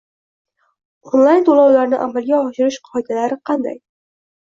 Onlayn to‘lovlarni amalga oshirish qoidalari qanday?